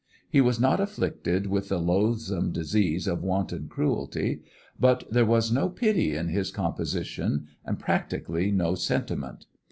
He was not afflicted with the loathsome disease of wanton cruelty, but there was no pity in his composition, and practically no sentiment.